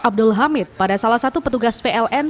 abdul hamid pada salah satu petugas pln